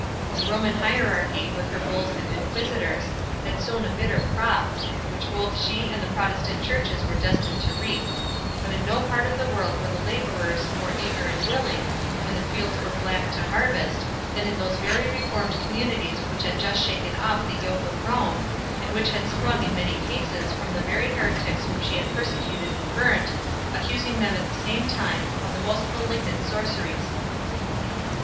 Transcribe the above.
The Roman Hierarchy, with her bulls and inquisitors, had sown a bitter crop, which both she and the Protestant Churches were destined to reap; but in no part of the world were the labourers more eager and willing, when the fields were "black" to harvest, than in those very reformed communities which had just shaken off the yoke of Rome, and which had sprung in many cases from the very heretics whom she had persecuted and burnt, accusing them at the same time, of the most malignant sorceries.